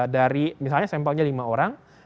dari misalnya sampelnya lima orang